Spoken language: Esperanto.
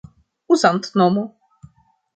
uzantnomo